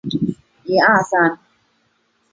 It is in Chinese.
授兵科给事中。